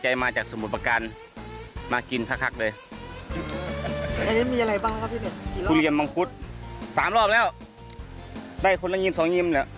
อิ่มหนำสำราญ